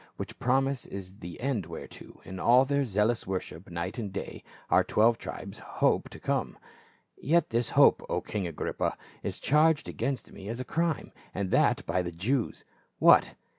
Which promise is the end whereto, in all their zealous worship night and day, our twelve tribes hope to come. Yet this hope, O king Agrippa, is charged against me as a crime, and that by the Jews. What